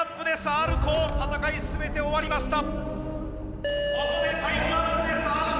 Ｒコー戦い全て終わりました。